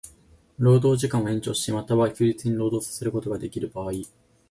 労働時間を延長し、又は休日に労働させることができる場合